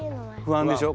不安でしょ？